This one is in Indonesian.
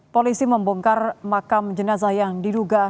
polisi membongkar makam jenazah yang diduga